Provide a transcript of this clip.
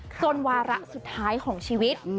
วาระสุดท้ายของชีวิต